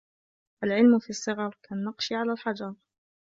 العلم في الصِّغَرِ كالنقش على الحجر